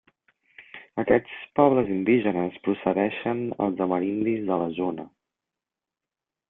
Aquests pobles indígenes precedeixen els amerindis de la zona.